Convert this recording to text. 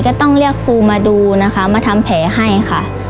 ก็ต้องเรียกครูมาดูนะคะมาทำแผลให้ค่ะ